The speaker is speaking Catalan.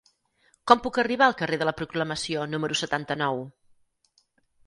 Com puc arribar al carrer de la Proclamació número setanta-nou?